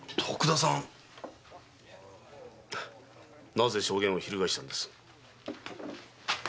なぜ証言を翻したんです？